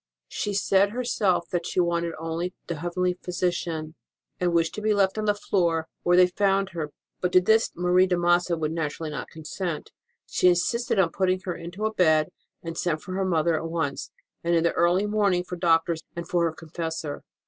She said her self that she wanted only the heavenly Physician, HOW ROSE OF ST. MARV DIED and wished to be left on the floor, where they found her ; but to this Marie de Massa would naturally not consent. She insisted on putting her into a bed, and sent for her mother at once, and in the early morning for doctors and for her confessor.